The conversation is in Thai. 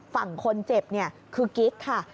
ฝั่งคนเจ็บเนี่ยคือกิ๊กค่ะ